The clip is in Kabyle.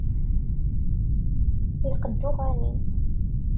Lqed n uɣanim.